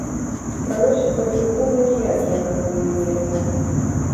Праносіць на трыбуны ніякія напоі нельга.